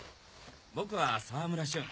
僕は沢村俊。